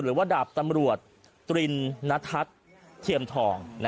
หรือว่าดาบตำรวจตรินนทัศน์เทียมทอง